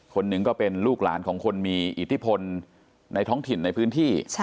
คนหนึ่งก็เป็นลูกหลานของคนมีอิทธิพลในท้องถิ่นในพื้นที่